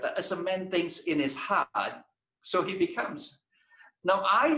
seorang lelaki berpikir dengan keras jadi dia menjadi